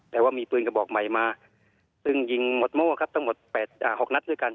แต่ว่ามีปืนกระบอกใหม่มาซึ่งยิงหมดโม่ครับทั้งหมด๘๖นัดด้วยกัน